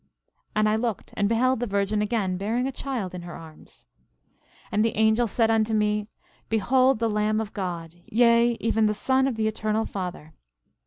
11:20 And I looked and beheld the virgin again, bearing a child in her arms. 11:21 And the angel said unto me: Behold the Lamb of God, yea, even the Son of the Eternal Father!